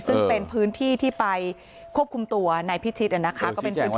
ซึ่งเป็นพื้นที่ที่ไปควบคุมตัวในพิจิตร